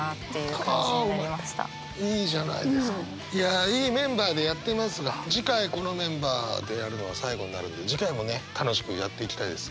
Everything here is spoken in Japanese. いやいいメンバーでやってますが次回このメンバーでやるのは最後になるんで次回もね楽しくやっていきたいです。